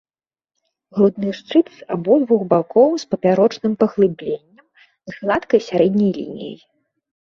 Грудны шчыт з абодвух бакоў з папярочным паглыбленнем, з гладкай сярэдняй лініяй.